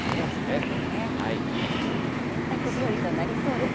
晴れて、いい洗濯日和となりそうですね。